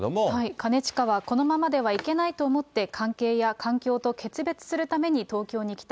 兼近は、このままではいけないと思って、関係や環境と決別するために東京に来た。